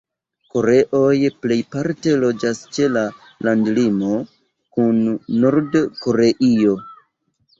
Koreoj plejparte loĝas ĉe la landlimo kun Nord-Koreio.